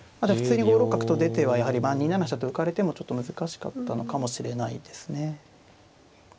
普通に５六角と出てはやはりまあ２七飛車と浮かれてもちょっと難しかったのかもしれないですね。